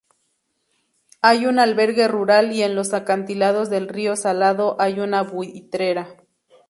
Hay un albergue rural y en los acantilados del río Salado hay una buitrera.